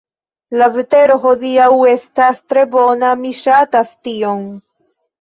La vetero hodiaŭ estas tre bona mi ŝatas tion